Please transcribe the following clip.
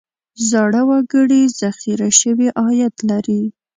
زاړه وګړي ذخیره شوی عاید لري.